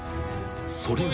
［それは］